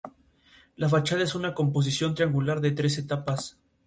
Atlantes y querubines complementan el repertorio al margen de las figuras principales.